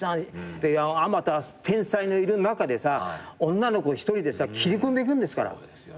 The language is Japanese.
あまた天才のいる中でさ女の子一人でさ切り込んでいくんですから。